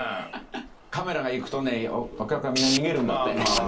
カメラがいくとねお客がみんな逃げるんだって。